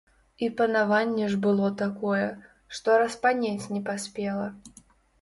І панаванне ж было такое, што распанець не паспела.